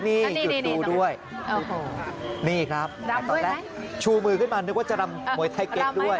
นี่หยุดดูด้วยโอ้โหนี่ครับตอนแรกชูมือขึ้นมานึกว่าจะรำมวยไทยเก๊กด้วย